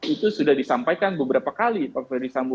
itu sudah disampaikan beberapa kali pak ferdisambu